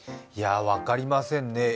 いや、分かりませんね。